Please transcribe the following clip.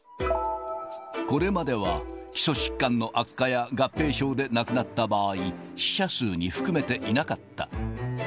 これまでは基礎疾患の悪化や合併症で亡くなった場合、死者数に含めていなかった。